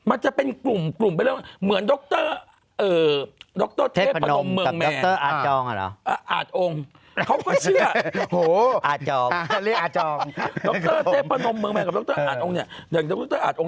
มันจะเป็นกลุ่มไปเรื่อง